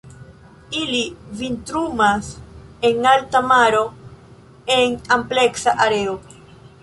Ili vintrumas en alta maro en ampleksa areo.